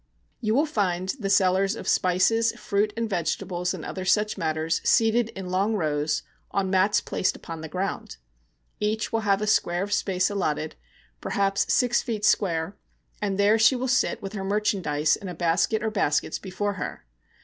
You will find the sellers of spices, fruit, vegetables, and other such matters seated in long rows, on mats placed upon the ground. Each will have a square of space allotted, perhaps six feet square, and there she will sit with her merchandise in a basket or baskets before her.